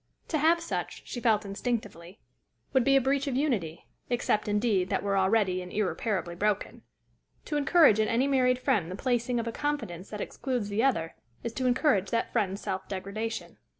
To have such, she felt instinctively, would be a breach of unity, except, indeed, that were already, and irreparably, broken. To encourage in any married friend the placing of a confidence that excludes the other, is to encourage that friend's self degradation.